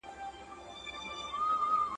مار د بل په لاس مه وژنه!